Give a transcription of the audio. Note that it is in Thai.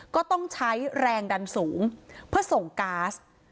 ก็ต้องใช้แรงดันสูงเพื่อส่งก๊าซ